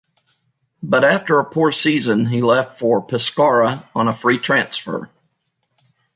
But after a poor season, he left for Pescara on a free transfer.